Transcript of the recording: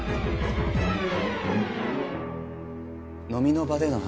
飲みの場での話